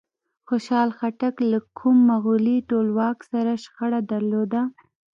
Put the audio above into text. خوشحال خټک له کوم مغولي ټولواک سره شخړه درلوده؟